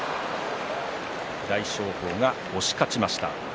大翔鵬が押し勝ちました。